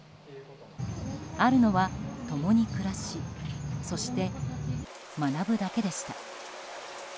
あるのは共に暮らしそして、学ぶだけでした。